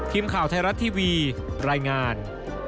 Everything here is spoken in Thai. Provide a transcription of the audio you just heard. ทีมข่าวไทยรัฐทีวีรายงาน